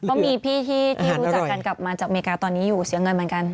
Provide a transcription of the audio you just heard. ก็มีพี่ที่รู้จักกันกลับมาจากอเมริกาตอนนี้อยู่เสียเงินเหมือนกัน